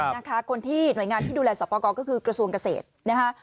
นะคะคนที่หน่วยงานที่ดูแลสอบประกอบก็คือกระทรวงเกษตรนะคะ